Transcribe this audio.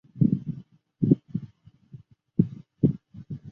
方智怡是前交通部高速公路工程局局长方恩绪的最小的女儿。